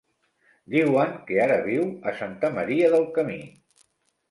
Diuen que ara viu a Santa Maria del Camí.